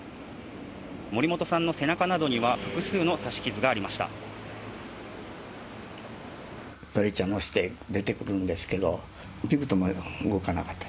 森本さんの背中などには複数の刺し傷がありました。